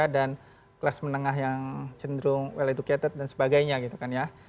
karena masyarakatnya yang well informed kritis gitu ya dan kelas menengah yang cenderung well educated dan sebagainya gitu kan ya